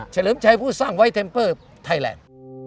เลิมชัยผู้สร้างไว้เทมเปอร์ไทยแลนด์